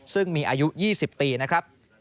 ซึ่งมีอายุ๒๐ปีนะครับ